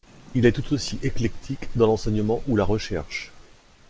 Il est tout aussi éclectique dans l'enseignement ou la recherche.